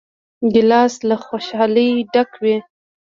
ګیلاس له خوشحالۍ ډک وي.